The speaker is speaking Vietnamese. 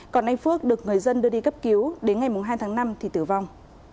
còn anh phước được người dân đưa đi cấp cứu đến ngày hai tháng năm thì tử vong